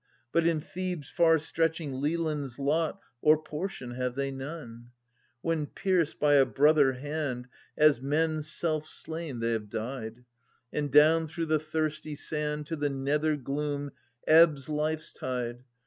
But in Thebes' far stretching lealands lot or portion have they none. {Sir. 2) When, pierced by a brother hand. As men self slain they have died, And down through the thirsty sand To the nethergloom ebbs life's tide.